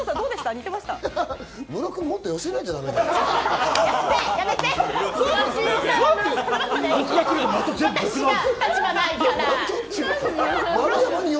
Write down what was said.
似てムロ君、もっと寄せないとだめだよ。